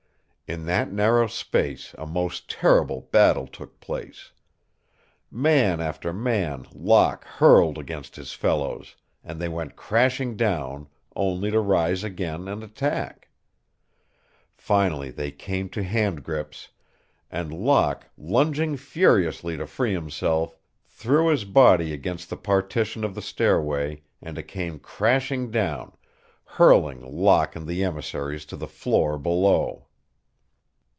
In that narrow space a most terrible battle took place. Man after man Locke hurled against his fellows, and they went crashing down, only to rise again and attack. Finally they came to hand grips, and Locke, lunging furiously to free himself, threw his body against the partition of the stairway and it came crashing down, hurling Locke and the emissaries to the floor below.